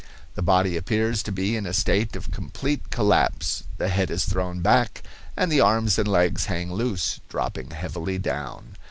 The body appears to be in a state of complete collapse, the head is thrown back, and the arms and legs hang loose, dropping heavily down.